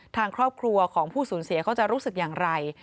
ทางครอบครัวของผู้สูญเสียเขาจะรู้สึกอย่างไร